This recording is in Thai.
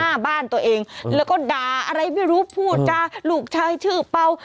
หน้าบ้านตัวเองแล้วก็ด่าอะไรไม่รู้พูดจาลูกชายชื่อเป่า